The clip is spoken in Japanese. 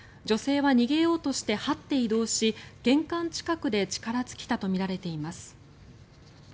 女性は逃げようとしてはって移動し玄関近くで力尽きたとみられています。